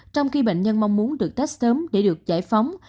trong khi bệnh nhân mong muốn được test sớm để được giải phóng